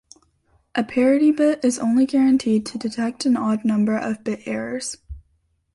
A parity bit is only guaranteed to detect an odd number of bit errors.